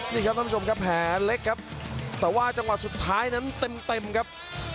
นี่ครับท่านผู้ชมครับแผลเล็กครับแต่ว่าจังหวะสุดท้ายนั้นเต็มครับ